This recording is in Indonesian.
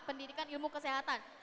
pendidikan ilmu kesehatan